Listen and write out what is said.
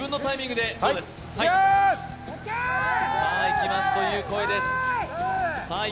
「いきます」という声です。